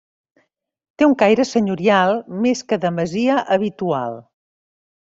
Té un caire senyorial més que de masia habitual.